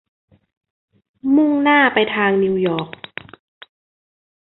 มุ่งหน้าไปทางนิวยอร์ก